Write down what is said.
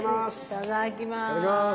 いただきます。